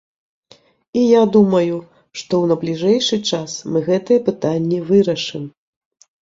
І я думаю, што ў найбліжэйшы час мы гэтыя пытанні вырашым.